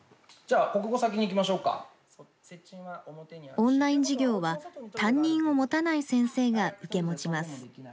オンライン授業は、担任を持たない先生が受け持ちます。